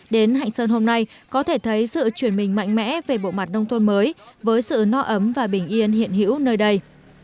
đến hạnh sơn hôm nay có thể thấy sự chuyển mình mạnh mẽ về bộ mặt nông thôn mới với sự no ấm và bình yên hiện hữu nơi đây